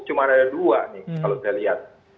cuma ada dua nih kalau saya lihat